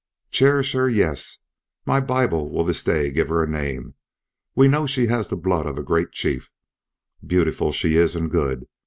"Cherish her, yes. My Bible will this day give her a name. We know she has the blood of a great chief. Beautiful she is and good.